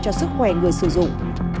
cho sức khỏe người sử dụng